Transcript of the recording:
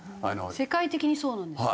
世界的にそうなんですか？